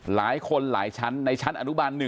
หลายคนหลายชั้นในชั้นอนุบัน๑